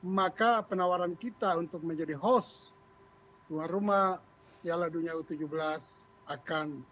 maka penawaran kita untuk menjadi host tuan rumah piala dunia u tujuh belas akan